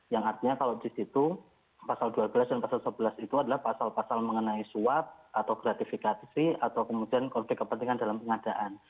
yang artinya kalau di situ pasal dua belas dan pasal sebelas itu adalah pasal pasal mengenai suap atau gratifikasi atau kemudian konflik kepentingan dalam pengadaan